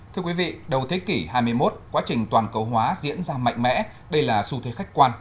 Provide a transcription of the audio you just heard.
thưa quý vị đầu thế kỷ hai mươi một quá trình toàn cầu hóa diễn ra mạnh mẽ đây là xu thế khách quan